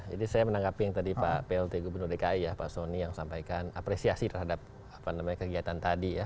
jadi saya menanggapi yang tadi pak plt gubernur dki ya pak sony yang sampaikan apresiasi terhadap kegiatan tadi ya